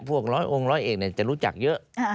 พวกร้องร้อยเอกเนี่ยจะรู้จักเยอะ